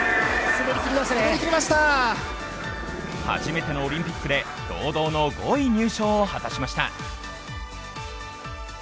初めてのオリンピックで堂々の５位入賞を果たしました。